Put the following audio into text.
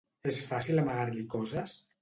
És fàcil amagar-li coses?